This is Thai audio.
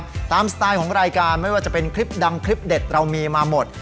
ตามสไตล์ของรายการไม่ว่าจะเป็นคลิปดังคลิปเด็ดเรามีมาหมด